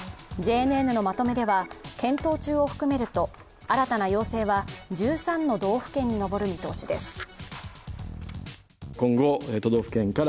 ＪＮＮのまとめでは、検討中を含めると新たな要請は１３の道府県に上る見通しです。